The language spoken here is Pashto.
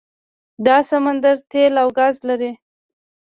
دا سمندر تیل او ګاز لري.